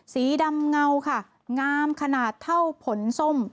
สีดำเงาค่ะงามขนาดเท่าผลส้ม